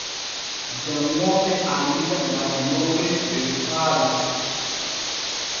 Janŋooɓe annita laatinoowel der haala.